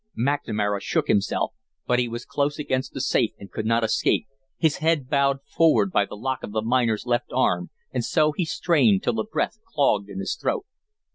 McNamara shook himself, but he was close against the safe and could not escape, his head bowed forward by the lock of the miner's left arm, and so he strained till the breath clogged in his throat.